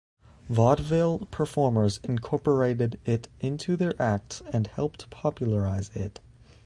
Vaudeville performers incorporated it into their acts and helped popularize it.